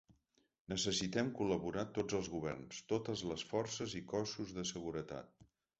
Necessitem col·laborar tots els governs, totes les forces i cossos de seguretat.